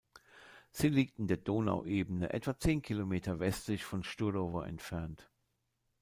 Sie liegt in der Donauebene, etwa zehn Kilometer westlich von Štúrovo entfernt.